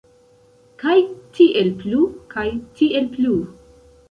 Kaj tiel plu, kaj tiel plu.